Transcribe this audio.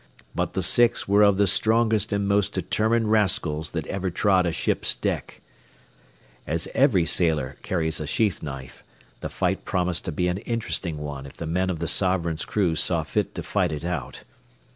But the six were of the strongest and most determined rascals that ever trod a ship's deck. As every sailor carries a sheath knife, the fight promised to be an interesting one if the men of the Sovereign's crew saw fit to fight it out.